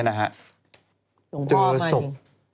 ส่งพ่อมาจริง